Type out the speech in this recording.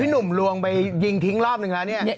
เออด่งไหนเป็นทิงรอบหนึ่งแล้วเนี่ย